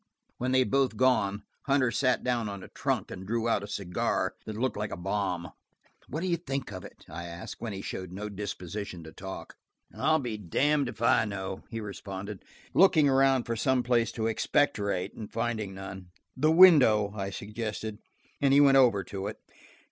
When they had both gone, Hunter sat down on a trunk and drew out a cigar that looked like a bomb. "What do you think of it?" I asked, when he showed no disposition to talk. "I'll be damned if I know," he responded, looking around for some place to expectorate and finding none. "The window," I suggested, and he went over to it.